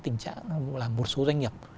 tình trạng là một số doanh nghiệp